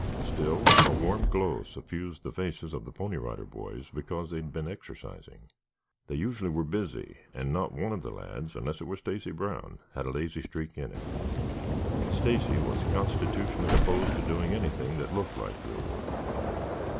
Still, a warm glow suffused the faces of the Pony Rider Boys because they had been exercising. They usually were busy, and not one of the lads, unless it were Stacy Brown, had a lazy streak in him. Stacy was constitutionally opposed to doing anything that looked like real work.